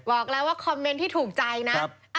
บอกแล้วว่าคอมเมนต์ที่ถูกใจนะ